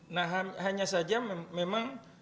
nah hanya saja memang